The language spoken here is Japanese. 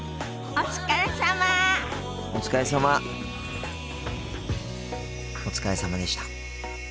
お疲れさまでした。